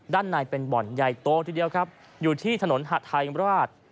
ด้านในเป็นบ่อนใหญ่โตทีเดียวครับอยู่ที่ถนนหาทัยราช